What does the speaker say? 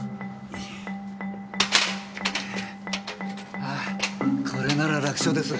ああこれなら楽勝です。